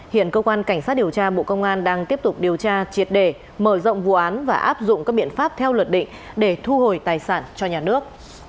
hiện cơ quan cảnh sát điều tra bộ công an đang tiếp tục điều tra triệt đề mở rộng vụ án và áp dụng các biện pháp theo luật định để thu hồi tài sản cho nhà nước